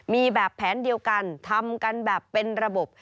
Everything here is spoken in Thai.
มีแบบแผนเดียวกันทำกันแบบเป็นระบบ